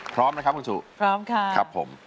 พร้อมนะครับคุณสูตร